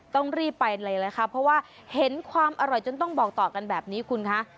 ต้องรีบไปเลยนะคะเพราะว่าเห็นความอร่อยจนต้องบอกต่อกันแบบนี้คุณคะ